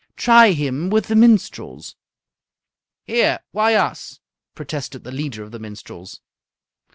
"Try him with the minstrels." "Here! Why us?" protested the leader of the minstrels.